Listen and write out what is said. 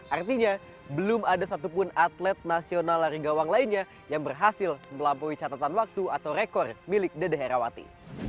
artinya belum ada satupun atlet nasional lari gawang lainnya yang berhasil melampaui catatan waktu atau rekor milik dede herawati